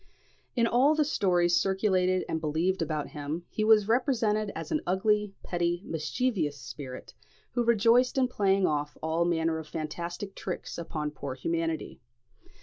In all the stories circulated and believed about him, he was represented as an ugly, petty, mischievous spirit, who rejoiced in playing off all manner of fantastic tricks upon poor humanity.